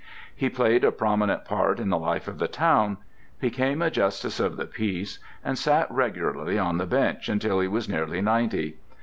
He played a prominent part in the life of the town, became a Justice of the Peace, and sat regularly on the bench until he was nearly ninety.